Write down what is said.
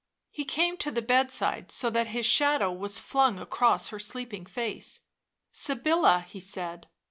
He came to the bedside so that his shadow was flung across her sleeping face. " Sybilla," he said.